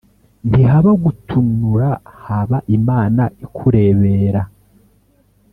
Ntihaba gutunura haba Imana ikurebera.